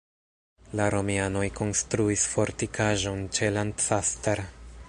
La romianoj konstruis fortikaĵon ĉe Lancaster.